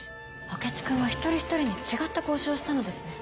明智君は一人一人に違った交渉をしたのですね。